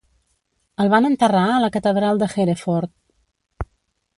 El van enterrar a la Catedral de Hereford.